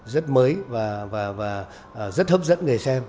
rất mới và rất hấp dẫn người xem